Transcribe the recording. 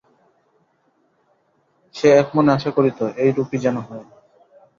সে একমনে আশা করিত, এইরূপই যেন হয়।